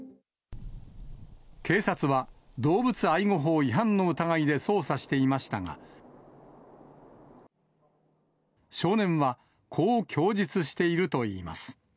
警察は、動物愛護法違反の疑いで捜査していましたが、少年は、こう供述しているといいます。